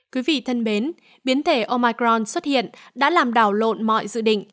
quý vị thân mến biến thể omicron xuất hiện đã làm đảo lộn mọi dự định